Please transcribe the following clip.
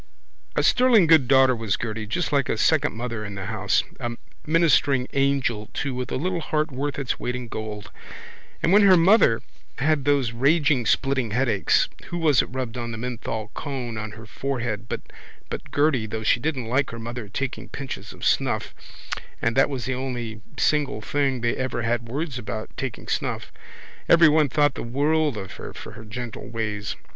A sterling good daughter was Gerty just like a second mother in the house, a ministering angel too with a little heart worth its weight in gold. And when her mother had those raging splitting headaches who was it rubbed the menthol cone on her forehead but Gerty though she didn't like her mother's taking pinches of snuff and that was the only single thing they ever had words about, taking snuff. Everyone thought the world of her for her gentle ways.